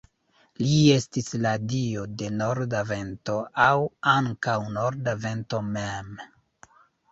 Li estis la dio de norda vento aŭ ankaŭ norda vento mem.